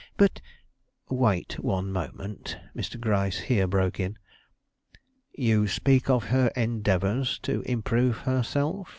But " "Wait one moment," Mr. Gryce here broke in. "You speak of her endeavors to improve herself.